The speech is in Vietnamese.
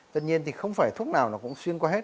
tất nhiên thì không phải thuốc nào nó cũng xuyên qua hết